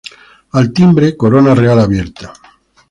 Al timbre, Corona Real abierta.